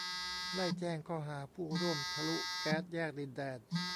ไล่แจ้งข้อหาผู้ร่วมทะลุแก๊สแยกดินแดง